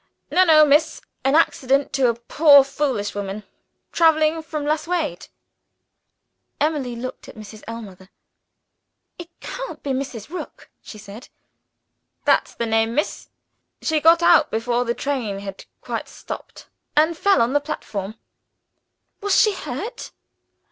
"No, no, miss. An accident to a poor foolish woman, traveling from Lasswade." Emily looked at Mrs. Ellmother. "It can't be Mrs. Rook!" she said. "That's the name, miss! She got out before the train had quite stopped, and fell on the platform." "Was she hurt?"